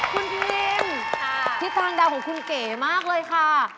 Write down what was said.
คุณพิรินทิศทางดาวของคุณเก๋มากเลยค่ะ